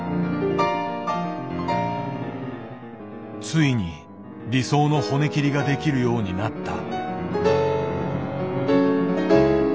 ついに理想の骨切りができるようになった。